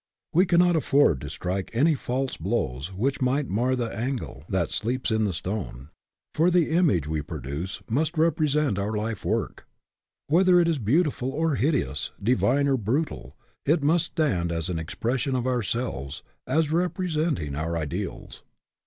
We cannot afford to strike any false blows which might mar the angel that SPIRIT IN WHICH YOU WORK 87 sleeps in the stone; for the image we produce must represent our life work. Whether it is beautiful or hideous, divine or brutal, it must stand as an expression of ourselves, as repre senting our ideals.